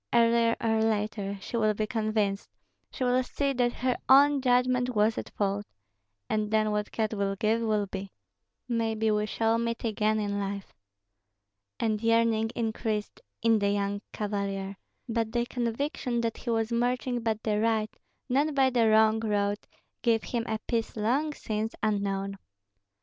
Earlier or later she will be convinced, she will see that her own judgment was at fault. And then what God will give will be. Maybe we shall meet again in life." And yearning increased in the young cavalier; but the conviction that he was marching by the right, not by the wrong road, gave him a peace long since unknown.